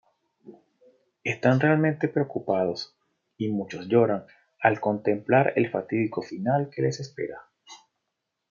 Están realmente preocupados, y muchos lloran al contemplar el fatídico final que les espera.